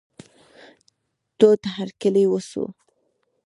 تود هرکلی وسو.